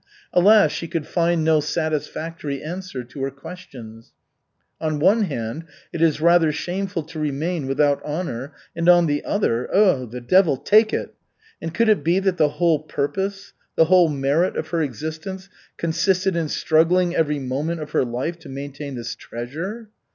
Alas, she could find no satisfactory answer to her questions. On one hand, it is rather shameful to remain without honor, and on the other Ah, the devil take it! And could it be that the whole purpose, the whole merit of her existence consisted in struggling every moment of her life to maintain this treasure?